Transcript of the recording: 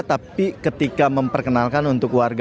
tapi ketika memperkenalkan untuk warga